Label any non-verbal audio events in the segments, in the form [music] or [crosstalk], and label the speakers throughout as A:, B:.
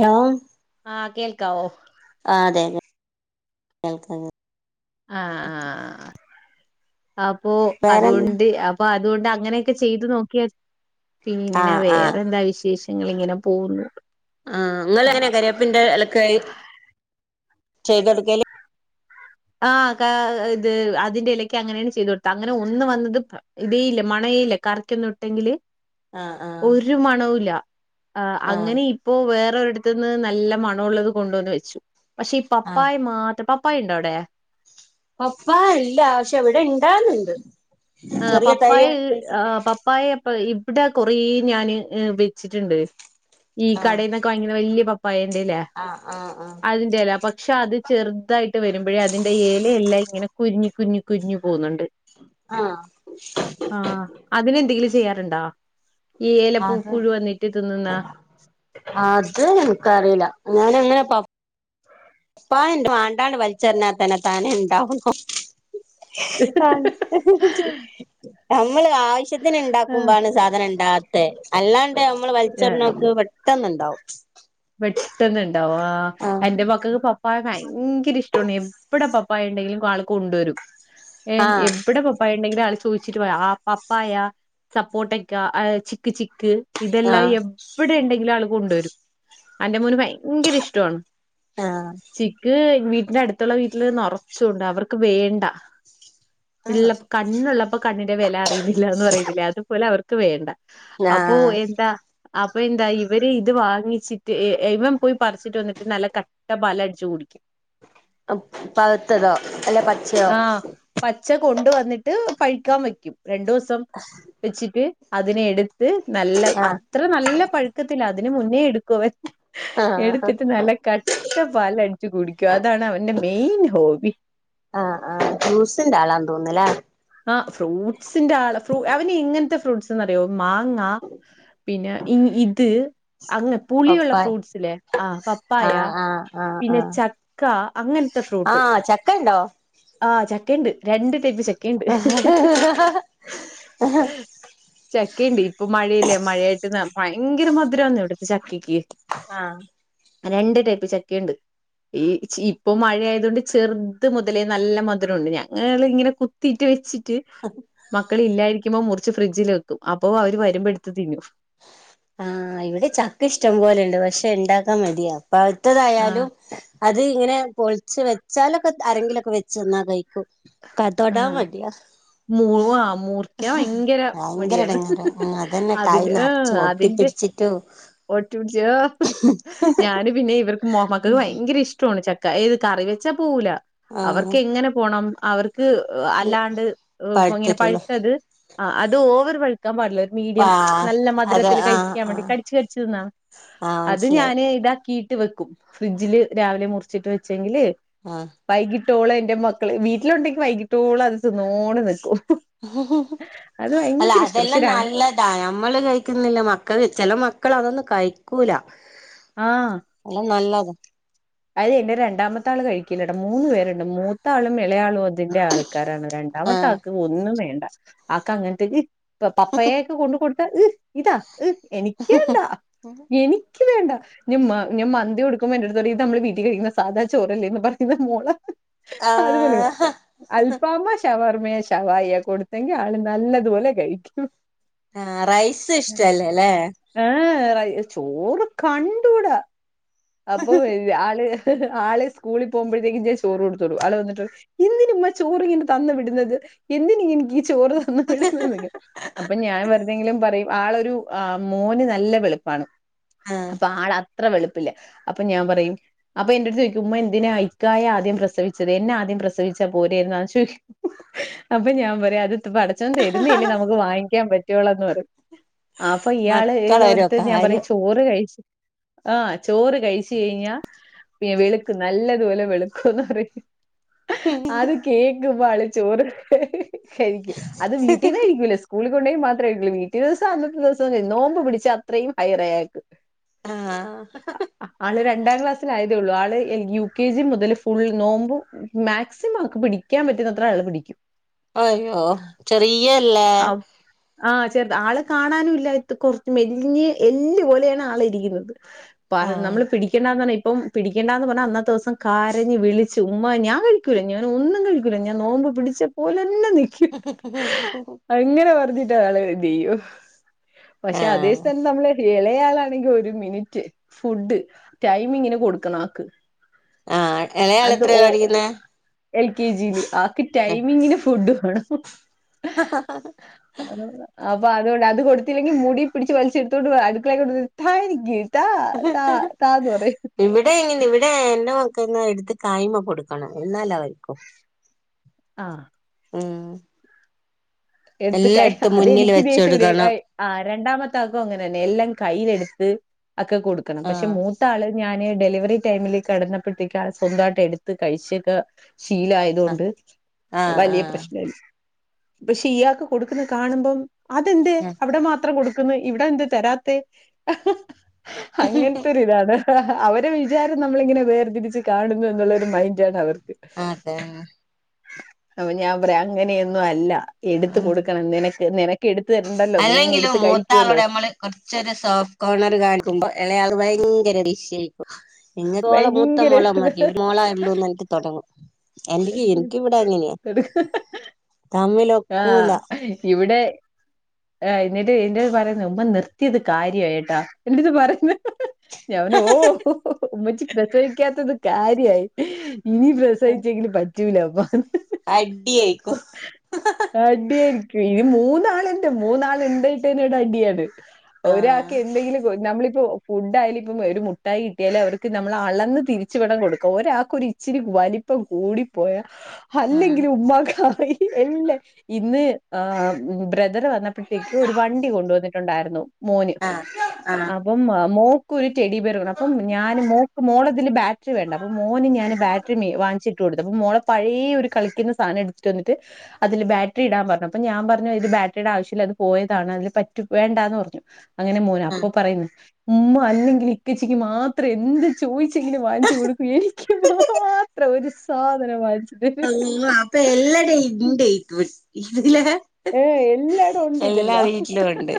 A: Hello
B: ആ കേൾക്കാവോ?
A: ആഹ് അതെ അതെ കേൾക്ക കേ
B: ആഹ് ആഹ് അപ്പൊ
A: വേറെന്ത്
B: അതുകൊണ്ട് പ്പൊ അതുകൊണ്ട് അങ്ങനെയൊക്കെ ചെയ്ത് നോക്കിയാ പിന്നെ
A: ആഹ് ആഹ്
B: വേറെന്താ വിശേഷം? ഞങ്ങളിങ്ങനെ പോകുന്നു
A: ആഹ്
B: ആഹ്
A: ഇങ്ങളെങ്ങനെയാ കരിവേപ്പിന്റെ എലക്ക് ചെയ്തോടുക്കല്
B: ആഹ് ക ഇത് അതിന്റെ ഇലക്ക് അങ്ങനേണ് ചെയ്ത് കൊടുത്ത അങ്ങനെ ഒന്ന് വന്നത് ത ഇതേയില്ല മണേല്ല കറിക്കൊന്നും ഇട്ടെങ്കില്
A: ആഹ് ആഹ്
B: ഒരു മണവൂല്ല ആ
A: ആഹ്
B: അങ്ങനെയി ഇപ്പൊ വേറൊരിടത്തുന്ന് നല്ല മണ ഉള്ളത് കൊണ്ടുവന്ന് വെച്ചു പക്ഷെ ഈ
A: ആഹ്
B: പപ്പായ മാത്രം പപ് പ്പായ ഉണ്ടോവിടെ?
A: പപ്പായ ഇല്ല പക്ഷെ ഇവിടെ ഇണ്ടാകലിണ്ട് ചെറിയ തൈ ക
B: പപ്പായപ്പ ഇവിടെ കൊറേ ഞാന് വെച്ചിട്ട്ണ്ട് ഈ കടയിന്നൊക്കെ വാ ങ്ങിക്കണ വല്ല്യ പപ്പായ ഇൻെറലെ ലെ
A: ആഹ് ആഹ്
B: അതി പക്ഷെ അത് ചെറുതായിട്ട് വരുമ്പോഴെ അതിന്റെ എലയെല്ലാം ഇങ്ങനെ കുരിങ്ങി കുരുങ്ങി കുരിങ്ങി പോകുന്നുണ്ട്
A: ആഹ്
B: ആഹ് അതിന് എന്തെങ്കിലും ചെയ്യാറ്ണ്ടാ ഈ എല പൂ പുഴു വന്നിട്ട് തിന്നുന്ന
A: അത നക്ക്റില ഞാനങ്ങനെ പ പ്പയെന്റെ വാണ്ടാണ്ട് വലിച്ചെറിഞ്ഞാ തന്നെ താനെ ണ്ടാവു നമ്മള് ആവശ്യത്തിന്
B: ആഹ്
A: ണ്ടാക്കുമ്പാണ് സാധനം ണ്ടാകാത്തെ അല്ലാണ്ട് ണ്ട് നമ്മള് വലിച്ചെറിഞ്ഞോക്ക് പെട്ടെന്നിണ്ടാവും
B: പെട്ടെന്നുണ്ടാവു ആഹ് എന്റെ മക്കക്ക് പ പപ്പായ ഭയങ്കര ഇഷ്ട്ടോണ് എവിടെ പപ്പായ ഉണ്ടെങ്കിലും ആള് കൊണ്ടുവരും ഏ
A: ആഹ്
B: എവിടെ പപ്പ പായ ഉണ്ടെങ്കിലും ആള് ചോദിച്ചിട്ട് വാ പപ്പായ സപ്പോട്ടക്കാ ചിക്ക് ചിക്ക് ഇതെല്ലാം
A: ആഹ്
B: എവിടെ ഇണ്ടെങ്കിലും ആള് കൊണ്ടുവരും അന്റെ മോന് ഭയങ്കര ഇഷ്ട്ടോണ്
A: ആഹ്
B: ചിക്ക് വീട്ടിന്റെ അടുത്തുള്ള വീട്ടില് നെറ ച്ചുണ്ട് അവർക്ക് വേണ്ട ള്ളപ്പോ കണ്ണുള്ളപ്പോ കണ്ണിന്റെ വില അറിയുന്നില്ല എന്ന് പറയുന്നില്ലേ അതുപോലെ അവർക്ക് വേണ്ട അപ്പോ
A: ആഹ്
B: എന്താ അപ്പൊ എന്താ ഇവര് ഇത് വാങ്ങി ചിട്ട് ഇവൻ പോയി പറിച്ചിട്ട് വന്നിട്ട് നല്ല കട്ട പാൽ ടിച്ചു കുടിക്കും
A: പയ്ത്തതോ അല്ല പ
B: ആഹ് പച്ച കൊണ്ടു വന്നിട്ട് പഴിക്കാൻ വെക്കും രണ്ടു ദിവസം വച്ചിട്ട് അതിനെ എടുത്ത് നല്ല അ
A: ആഹ്
B: അത്ര നല്ല പഴുക്കത്തില്ല അതിന് മുന്നേ എടുക്കുവൻ
A: ആഹ്
B: എടുത്തിട്ട് നല്ല ക ട്ട പാലിൽ അടിച്ചു കുടിക്കും അതാണ് അവന്റെ മെയിൻ ഹോബി
A: ആഹ് ആഹ് ജ്യൂസിന്റാളാ തോന്നിന്നെല്ലെ
B: ആ ഫ്രൂട്ട്സിന്റെ ആളാ അവന് എങ്ങനത്തെ ഫ്രൂട്ട്സ്ന്ന്റിയോ മാങ്ങാ പിന്നെ ഇൻ ഇത് അങ്ങ് പുളിയുള്ള
A: പപ്പായ
B: ഫ്രൂട്ട്സ് ല്ലെ ആ പപ്പായ
A: ആഹ് ആഹ് ആഹ്
B: പിന്നെ
A: ആഹ്
B: ച ക്ക അങ്ങനത്തെ ഫ്രൂട്ട്
A: ആഹ് ചക്കണ്ടോ
B: ആ ചക്കേണ്ട് രണ്ട് ടൈപ്പ് ചക്ക ക്കേണ്ട് ഹ് ഹ് ചക്കേണ്ട് ഇപ്പൊ മഴയല്ലേ മഴയായിട്ട് ഭയങ്കര മധുരാന്നു ഇവിടത്തെ ചക്കയ്ക്ക്
A: ആഹ്
B: രണ്ട് ടൈപ്പ് ചക്കേണ്ട് ഈ ഇപ്പൊ മഴയായത് കൊണ്ട് ചെറുത് മുതലേ നല്ല മധുരുണ്ട് ഞങ്ങളിങ്ങനെ കു തീറ്റ് വെച്ചിട്ട്
A: അ
B: മക്കള് ഇല്ലായിരിക്കുമ്പോ മുറിച്ച് ഫ്രിഡ്ജിൽ വെക്കും അപ്പോ അവര് വരുമ്പോ എടുത്ത് തിന്നു
A: ആഹ് ഇവിടെ ചക്ക ഇഷ്ടം പോലെുണ്ട് പക്ഷെ ഉണ്ടാക്കാൻ മടിയാ
B: ആ
A: പഴുത്തതായാലും അത് ഇങ്ങനെ പൊളിച്ചു വെച്ചാലൊക്കെ ആരെങ്കിലൊക്കെ വെച്ച്ന്നാ കഴിക്കും
B: ആ
A: തൊടാൻ മടിയാ
B: മൂ ആ മൂർക്കാൻ ഭയങ്കര
A: ഭയങ്കര
B: മടിയാണ്
A: ഇടങ്ങറ് അതന്നെ കായ
B: അതിന്റെ
A: നാ ഒട്ടി പിടിച്ചിട്ടും
B: ഒട്ടും പിടിച്ച ഞാന് പിന്നെ ഇവർക്ക് മാക്കൾക്ക് ഭയങ്കര ഇഷ്ടമാണ് ചക്ക ഏത് കറി വെച്ചാ പോവൂല
A: ആഹ്
B: അവർക്ക് എങ്ങനെ പോണം അവർക്ക് അല്ലാണ്ട് ഇങ്ങനെ
A: പഴുത്തിട്ടില്ല
B: പഴത്തത് അത് ഓവർ പ- കഴിക്കാൻ പാടില്ല ഒരു
A: പാ
B: മീഡിയം നല്ല
A: അത്
B: മധുരത്തിൽ
A: ആഹ്
B: കഴിക്കാൻ വേണ്ടി
A: ആഹ്
B: കടിച്ചു കടിച്ചു തിന്ന
A: ആഹ്
B: അത്
A: മനസ്സിലായി
B: ഞാന് ഇതാക്കിട്ട് വെക്കും ഫ്രിഡ്ജില് രാവിലെ മുറിച്ചിട്ട് വെച്ചെങ്കില്
A: ആഹ്
B: വൈകിട്ടോളോ എന്റെ മക്കള് വീട്ടിലുണ്ടെങ്കി വൈകിട്ടോളോ അത് ത്തിനോട്ട് നിക്കും അത്
A: അല്ല
B: ഭയങ്കര ഇഷ്ട പക്ഷെ
A: അതെല്ലാം
B: ര
A: നല്ല നമ്മള് കഴിക്കുന്നില്ല മക്കൾ ചെല മക്കൾ അതൊന്നും കഴിക്കൂല
B: ആഹ്
A: അല്ല നല്ലത്
B: അത് എന്റെ രണ്ടാമത്തെ ആൾ കഴിക്കില്ലടാ മൂന്നു പേരുണ്ട് മൂത്താളും ഇളയാളും അതിന്റെ ആൾക്കാരാണ് രണ്ടാമത്തെ
A: ആഹ്
B: ആക്ക് ഒന്നും വേണ്ട ആക്ക് അങ്ങനത്തേക്ക് പപ്പയെൊക്കെ കൊണ്ട് കൊടു ഏഹ് ഇതാ ഏഹ് എനിക്ക് വേണ്ടാ എനി വേണ്ട മന്തി കൊടുക്കുമ്പോഎന്റെ അടുത്ത പറയും നമ്മള് വീട്ടിൽ കഴിക്കുന്ന സാധാ ചോറല്ലേന്ന് പറയുന്ന മോള അത്പോലെ
A: ആഹ്
B: അൽഫാമ് ശഷവർമ്മയ ശവായിയ കൊടുത്തെങ്കി ആള് നല്ലതുപോലെ കഴിക്കും
A: ആ റൈസ് ഇഷ്ടല്ലേ അല്ലേ
B: ഏഹ് ചോറ് കണ്ടൂടാ അപ്പൊ ആഹ് ആളെ സ്കൂളിൽ പോകുമ്പോഴത്തേക്കും ഞാൻ ചോറ് കൊടുത്ത് വിടും ആള് വന്നിട്ട് പറയും എന്നുംമ്മ ചോറ് ഇങ്ങനെ തന്ന് വിടുന്നത് എന്തിന എനക്ക് ചോറ് തന്നു വിടുന്ന അപ്പൊ ഞാൻ വെറുതെങ്കിലും പറയും ആളൊരു മോന് നല്ല വെളുപ്പാണ്
A: ആഹ്
B: അപ്പൊ ആള് അത്ര വെളുപ്പില്ല അപ്പൊ ഞാൻ പറയും അപ്പൊ എന്റെഅടുത്ത് ചോദിക്കുമ്പോ എന്തിന ഇക്കായെ ആദ്യം പ്രസവിച്ചത് എന്നെ ആദ്യം പ്രസവിച്ചാൽ പോരെയരുന്നു ചോയിക്കും അപ്പൊ ഞാൻ പറയും അത് പടച്ചൊൻ തരുന്നല്ലേ നമുക്ക് വാങ്ങിക്കാൻ പറ്റൊള്ളന്ന് പറയും. ആഹ് അപ്പൊ ഇയാള്
A: മക്കളൊരു
B: ഇളപുരത്ത് ഞാൻ പറയും
A: കാര്യം
B: ചോറ് കഴിച്ച് ആഹ് ചോറ് കഴിച്ചു കഴിഞ്ഞാ വെളുക്ക് നല്ലതുപോലെ വെളുക്കുംന്ന് പറയും അത് കേക്ക് ക്കുചോറ് കഴിക്കും അത് വീട്ടീന്ന് കഴിക്കുല സ് കൂളിൽ കൊണ്ടൊയീ മാത്രേകഴിക്കുള്ളു വീട്ടിവെച്ച അന്നത്തേ ദിവസം നോമ്പ് പിടിച്ചാ അത്രയും ഹൈറയാക്ക്
A: ആഹ്..
B: ആണ് രണ്ടാം ക്ലാസ് തേ ഉള്ളൂ ആള് യു കെ ജി മുതൽ ഫുൾ നോമ്പ് മാക്സിമംക്ക് പിടിക്കാൻ പറ്റുന്നത്ര ആള് പിടിക്കും.
A: ആയ്യോ ചെറിയല്ലേ?
B: ആഹ് ചെറുത ആള് കാണാനും ഇല്ല കൊറച്ച് മെലിഞ്ഞ് എല്ല് പോലെയാണ് ആള് ഇരിക്കുന്നത് പറഞ്ഞ്
A: ആഹ്
B: നമ്മള് പിടിക്കണ്ടാന്ന് പറഞ്ഞെ ഇപ്പം പിടിക്കേണ്ടാന്ന് പറാഞ്ഞ അന്നത്തെ ദിവസം കരഞ്ഞ് വിളിച്ച് ഉമ്മ ഞാൻ കഴിക്കുല്ല ഞാൻ ഒന്നും കഴിക്കൂല്ല ഞാൻ നോമ്പ് പിടിച്ച് ഓലന്നെ നിക്കും
A: [unintelligible]
B: അങ്ങനെ പറഞ്ഞിട്ട് അൾ ഇത് ചെയ്യും പക്ഷെ
A: ആഹ്
B: അതേസ്ഥന [unintelligible] മ്മള് ഇളയാളാണെങ്കി ഒരു മിനിറ്റ് ഫുഡ് ടൈമിങ്ങിന് കൊടുക്കണം ആക്ക്.
A: ആഹ് ഇളയാള്
B: അത്
A: എത്രയല
B: ഓ
A: പടിക്കുന്നേ?
B: എൽ കെ ജിയില് ആക്ക് ടൈമിങ്ങിന് ഫുഡ് വേണം.....
A: ഹ ഹ....
B: [unintelligible] അപ്പൊ അതുകൊണ്ട് അത് കൊടുത്തില്ലെങ്കി മുടി പിടിച്ച് വലിച്ചെടുത്തോണ്ട് അട്ക്കളേലേ താനിക്ക്... താ താ താന്നുറയും..
A: ഇവിടെ ഇങ്ങെനെ ഇവിടെ എന്റെ മക്കക്ക് എടുത്ത് കായ്മേ കൊടുക്കണം എന്നാലവരിക്കും....
B: ആഹ്...
A: ആഹ്....
B: എടുത്ത് കൈ
A: മുന്നിൽ
B: അതെനിക്ക്
A: വെച്ച്
B: ദേഷ്യംവരും....
A: കൊടുക്കണം
B: [unintelligible] ആഹ് രണ്ടാമത്തകും അങ്ങനെ തന്നെ എല്ലാം കയ്യിലെടുത്ത് ഒക്കെ കൊടുക്കണം പക്ഷെ
A: ആഹ്
B: മൂത്താള് ഞാന് ഡെലിവറി ടൈമിൽ കടന്നപ്പോഴത്തേക്ക് ള് സ്വന്തമായിട്ട് എടുത്ത് കഴിച്ചൊക്കെ ശീലായി ആരുന്നു.... തുകൊണ്ട്
A: ആഹ്
B: വലിയ
A: ആഹ്
B: പ്രശ്നല്ല. പക്ഷെ ഇയാൾക്ക് കൊടുക്കുന്ന കാണുമ്പം അതെന്തേ
A: ആഹ്
B: അവിടെ മാത്രം കൊടു ക്കുന്നേ ഇവിടെ എന്തേ തരാത്തേ അങ്ങനെ ത്തൊരി ഇതാണ് അവരെ വിചാരം നമ്മളിങ്ങനെ വേർതിരിച്ച് കാണുന്നു എന്നുള്ളരു മൈൻഡ് ആണ് അവർക്ക്.
A: ആതെ.
B: അപ്പ ഞാൻ പറയാ അങ്ങനെയൊന്നും അല്ല എടുത്ത
A: ഉം
B: കൊടുക്കണം നിനക്ക് നിനക്ക് എടുത്ത് തരണ്ടല്ലോ നീ അങ് എടുത്ത് കഴിക്കുവല്ലോ?
A: അച്ഛന് സോഫ്റ്റ് കോർണർ കാണിക്കുമ്പോ ഇളയാള് ഭയങ്കര ഡിഷായി ങ്ങരളേ മൂത്ത
B: ഭയങ്കര
A: മോളമതി ഒരുമോളേള്ളൂന്ന്റഞ്ഞിട്ട് തൊടങ്ങും എന്റെക്ക് എനിക്ക് ഇവിട അങ്ങനെയാ. തമ്മിലൊക്കൂല
B: ആ എന്നിട്ട് എന്റട്ത് പറയുന്ന ഉമ്മ നിർത്തിയത് കാര്യാട്ടാ എന്റെത് പറയുന്നേ ഞൻ ഓ ഉമ്മച്ചി പ്രസവിക്കാത്തത് കാര്യായി ഇനി പ്രസവി പറ്റൂല [unintelligible]
A: അടി ആയിക്കും
B: അടിയായിരിക്കും ഇനി മൂന്നാളിന്റെ മൂന്നാള്ണ്ടാട്ടന്നെ ഇവിടേഅടിയാണ്.
A: ആഹ്
B: ഒരാക്കെ എന്തെങ്കിലും ക്കൊ നമ്മളിപ്പോ ഫുഡായാലും ഇപ്പം ഒരു മുട്ടായി കിട്ടിയാലല് അവർക്ക് നമ്മളൾ അളന്ന് തിരിച്ച വെടണം കൊടുക്കാം ഒരാക്കി ച്ചിരി വാലി പ്പം കൂടിപ്പോയാ
A: ആഹ്
B: അല്ലെങ്കില് ഉമ്മാക്കറി എന്തേ ഇന്ന് ആ ബ്രദറ് വന്നപ്പോഴത്തേക്ക് ഒരു വണ്ടി കൊണ്ടുവന്നിട്ടുണ്ടായിരുന്നു മോന്
A: ആഹ് ആഹ്
B: അപ്പംമ മോകൊരു റ്റടി ബിയർ വേണം അപ്പ ഞാന് മോക്ക് മോളതില് ബാറ്ററി വേണ്ട അപ്പ മോന് ഞാന് ബാറ്ററി ഇട്ടു കൊടുത്ത് അപ്പൊ മോളെ പഴയ ഒരു കളിക്കുന്ന സാധനം എടുത്തിട്ട് വന്നിട്ട് അതില് ബാറ്ററി ഇടാൻ പറഞ്ഞു അപ്പൊ ഞാൻ പറഞ്ഞു ഇത് ബാറ്ററിയുടെ ആവശ്യമില്ല അത് പോയതാണ് അതില് പറ്റു വേണ്ടാന്ന് പറഞ്ഞു അങ്ങനെ മോന
A: ആഹ്
B: അപ്പൊ പറയുന്നു ഉ ഉമ്മ അല്ലെങ്കിൽ ഇക്കച്ചിക്ക് മാത്രം എന്ത് ചോദിച്ചെങ്കനെ വാങ്ങിച്ചു കൊടുക്കും എനിക്ക് മാത്രം ഒരു സാധനം വാങ്ങിച്ച്
A: അള്ളാ അപ്പൊ എല്ലാടെ ഇണ്ട് ഇത്
B: ഏഹ് എല്ലാടും ഉണ്ട്
A: എല്ലാ
B: ഇതെല്ലാം
A: വീട്ടിലും ഉണ്ട്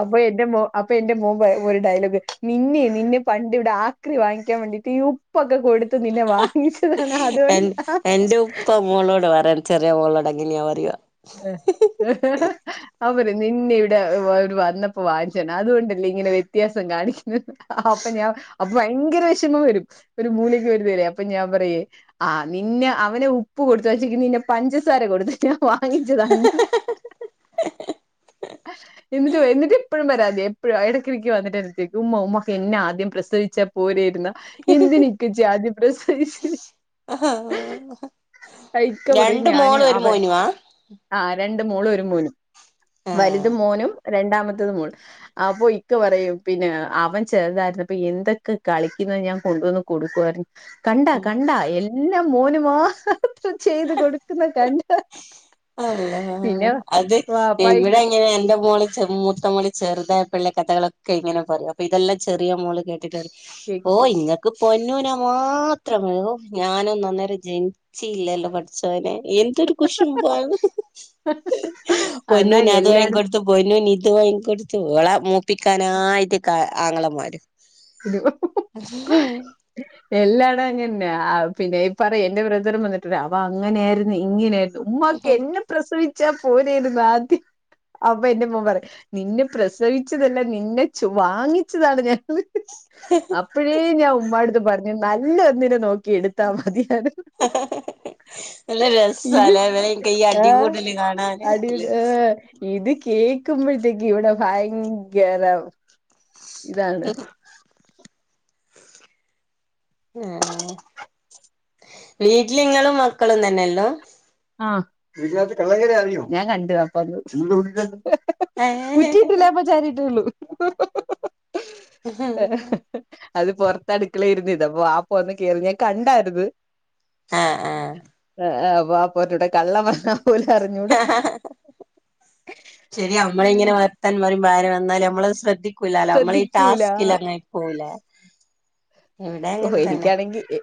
B: അപ്പൊ എന്റെ മോ അപ്പൊ എന്റെ മോൻ ഒരു ഡയലോഗ് നിന്നെ നിന്നെ പണ്ട് ഇവിടെ ആക്രി വാങ്ങിക്കാൻ വേണ്ടിട്ട് ഉപ്പൊക്കെ കൊടുത്ത് നിന്നെ വാങ്ങിച്ചതാണ് അതുകൊണ്ടാ
A: ഇപ്പൊ മോളൊ പറയും ചെറിയ മോളോട് അങ്ങനയ പറയ.
B: ഏഹ് അവര് നിന്നെ ഇവിടെ ഒരു വന്നപ്പോ വാങ്ങിച്ചയാണ് അതുകൊണ്ടല്ലേ ഇങ്ങനെ വ്യത്യാസം കാണിക്കുന്നേ അപ്പൊ ഞാൻ അപ്പൊ ഭയങ്കര വിഷമം വരും ഒരു മൂലയ്ക്ക് പോയി ഇരുന്ന് കരയും അപ്പൊ ഞാൻ പറയേ ആഹ് നിന്നെ അവനെ ഉപ്പ് കൊടുത്ത് വാങ്ങിച്ചക്കി നിന്നെ പഞ്ചസാര കൊടുത്ത് വാങ്ങിച്ചതണ്ട് എന്നിട്ട് എന്നിട്ട് ഇപ്പഴും പരാതിയ ഇടക്കിടക്ക് വന്നിട്ട് എന്റെ അടുത്ത് ചോയിക്കും ഉമ്മ ഉമ്മയ്ക്ക് എന്നെ ആദ്യം പ്രസവിച്ചാ പോരാരുന്നോ എന്തിനാ ഇക്കച്ചിയെ ആദ്യം പ്രസവിച്ചെ
A: ആഹ്
B: ഇയിക്ക പറയും
A: രണ്ട്
B: ഞാന്
A: മോളും ഒരു
B: അവൻ
A: മോനുവാ
B: ആഹ് രണ്ട് മോളും ഒരു മോനും വലുത്
A: ആഹ്
B: മോനും രണ്ടാമത്തത് മോൾ അപ്പൊ ഇക്കെ പറയും പിന്നെ അവൻ ചെറുതായിരുന്നപ്പൊ എന്തൊക്കെ കളിക്കുന്ന ഞാൻ കൊണ്ടുവന്ന് കൊടുക്കു ആരുന്നു കണ്ടാ കണ്ടാ എല്ലാം മോന് മാത്രം ചെയ്ത് കൊടുക്കുന്ന കണ്ട
A: അള്ളാ അത് ഇവിടെ
B: വാപ്പായിക്ക്
A: ഇങ്ങനെ എന്റെ മോളെ ചെമ്മൂ നമ്മള് ചെറുതായ പിള്ളെ കഥകളൊക്കെ ഇങ്ങനെ പറയും അപ്പൊ ഇതെല്ലാം ചെറിയ മോള് കേട്ടിട്ട് പറയും ഓ ഇങ്ങ പൊന്നുനെ മാത്രം മതി ഞാന് ഒന്നും അന്നേരം ജ നിചീല്ലല്ലോ പഠച്ചൊവനെ എന്ത് എന്തോര് കുശുമ്പ അന്നോ
B: എന്നാ
A: പൊന്നുന് അത് വാങ്ങി കൊ
B: എല്ലായിടത്തിനും
A: ഇത് പൊന്നുന് ഇത് വാങ്ങി കൊടുത്ത് ഇവളെ മൂപ്പിക്കാനായിട്ട് ആങ്ങളമാര്
B: [unintelligible] എല്ലാടം ഇതാനെ ആഹ് പിന്നെ ഈ പറയും എന്റെ ബ്രദറും വന്നിട്ട് പറയും അവനങ്ങനാരിന്ന് ഇങ്ങനാരിന്ന് ഉമ്മക്ക് എന്നെ പ്രസവിച്ചാ പോരരുന്നോ ആദ്യം അപ്പ എന്റെ ഉമ്മ പറയും നിന്നെ പ്രസവിച്ചതല്ല നിന്നെ ചോ വാങ്ങിച്ചതാണ് ഞങ്ങള് അപ്പഴേ ഞാൻ ഉമ്മാടുത്ത് പറഞ്ഞു നല്ല ഒന്നിനെ നോക്കി എടുത്താ മതിയാര്നെന്ന്
A: നല്ല
B: ഇത്
A: രസാല്ലേ ഇവരെ എനിക്ക് ഈ
B: ആഹ്
A: അടികൂടല് കാണാന് നല്ല
B: അടിടെ ആഹ് ഇത് കേക്കുമ്പോഴത്തേക്ക് ഇവിടെ ഭയങ്കര ഇതാണ്
A: ആഹ് വീട്ടിലിങ്ങളും മക്കളും തന്നെയള്ളോ
B: [unintelligible] കുറ്റി ഇട്ടില്ല വാപ്പാ ചാരി ഇട്ടെ ഒള്ളു അത് പൊറത്ത് അടുക്കളെ ഇരുന്നെത് അപ്പൊ വാപ്പ വന്ന് കേറിന്ന ഞാൻ കണ്ടാരിന്ന്
A: ആഹ് ആഹ്
B: ആഹ് ആഹ് വാപ്പാനോട് കള്ളം പറ
A: ശരിയ നമ്മള് ഇങ്ങനെ ത്താനം പറയുംമ്പോ ആര് വന്നാലും നമ്മളത് ശ്രദ്ധിക്കൂലല്ലോ നമ്മള ഈ
B: ശ്രദ്ധിക്കൂല
A: ടാസ്കിൽ അങ്ങനെ ആയി പോല
B: ഓ എനിക്കാണെങ്കി എ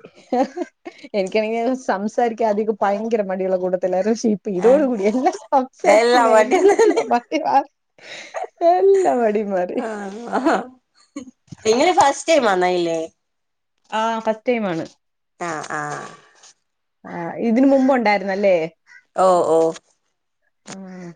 B: എനിക്കാണെക്കി സംസാരിക്കാധികം ഭയങ്കര മടിയുള്ള കൂട്ടത്തിലാരുന്ന് പക്ഷെ ഇ ഇതോട്
A: ആഹ്
B: കൂടി എല്ലാ
A: എല്ലാ
B: സംസാരിക്കിന്നെ
A: വണ്ടിന്നെ
B: ഏല്ലാം മറ്റേ വ എല്ല മടിമാറി
A: ആഹ് ആഹ് നിങ്ങള് ഫസ്റ്റ് ടൈം ആണോ ഇതില്
B: ആഹ് ഫറ്റ്ടൈമാണ്
A: ആഹ് ആഹ്
B: ആഹ് ഇതിന് മുമ്പ് ഉണ്ടായിരുന്നല്ലേ
A: ഓഹ് ഓഹ്
B: ആഹ്